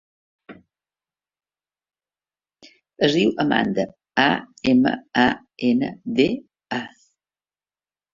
Es diu Amanda: a, ema, a, ena, de, a.